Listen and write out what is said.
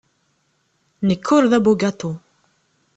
Nekk ur d abugaṭu.